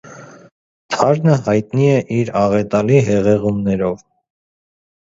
Թարնը հայտնի է իր աղետալի հեղեղումներով։